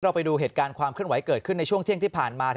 ไปดูเหตุการณ์ความเคลื่อนไหวเกิดขึ้นในช่วงเที่ยงที่ผ่านมา